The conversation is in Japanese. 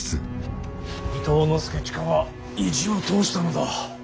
伊東祐親は意地を通したのだ。